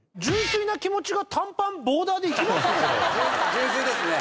純粋ですね。